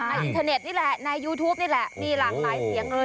อินเทอร์เน็ตนี่แหละในยูทูปนี่แหละมีหลากหลายเสียงเลย